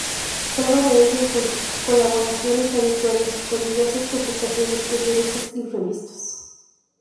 Prueba de ello son sus colaboraciones habituales con diversas publicaciones periódicas y revistas.